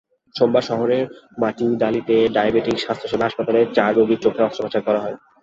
সোমবার শহরের মাটিডালিতে ডায়াবেটিক স্বাস্থ্যসেবা হাসপাতালে চার রোগীর চোখে অস্ত্রোপচার করা হয়।